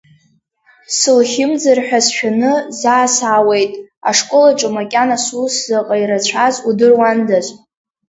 Сылхьымӡар ҳәа сшәаны, заа саауеит, ашкол аҿы макьана сус заҟа ирацәаз удыруандаз.